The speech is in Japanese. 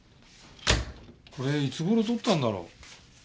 これいつ頃撮ったんだろう？